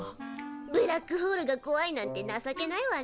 ブラックホールがこわいなんて情けないわね。